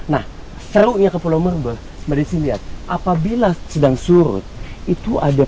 nah serunya ke pulau merbeh mbak desi lihat apabila sedang surut itu ada pasir yang menghubungkan